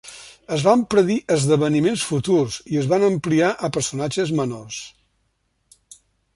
Es van predir esdeveniments futurs i es van ampliar a personatges menors.